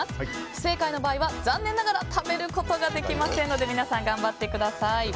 不正解の場合は、残念ながら食べることができませんので皆さん、頑張ってください。